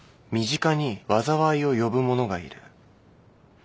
「身近に災いを呼ぶ者がいる」